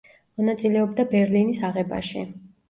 მონაწილეობდა ბერლინის აღებაში.